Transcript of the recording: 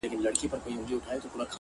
سترگه وره مي په پت باندي پوهېږي!